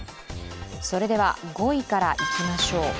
それでは５位からいきましょう。